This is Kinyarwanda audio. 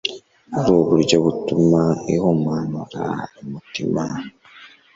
ari uburyo butuma ihumanura umutima